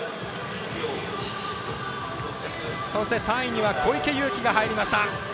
３位には小池祐貴が入りました。